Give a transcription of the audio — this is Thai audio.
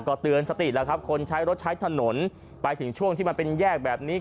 ก็เตือนสติแล้วครับคนใช้รถใช้ถนนไปถึงช่วงที่มันเป็นแยกแบบนี้